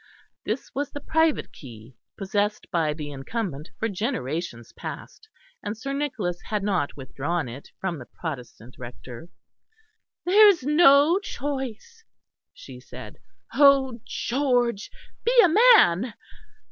This was the private key, possessed by the incumbent for generations past, and Sir Nicholas had not withdrawn it from the Protestant Rector. "There is no choice," she said. "Oh! George, be a man!"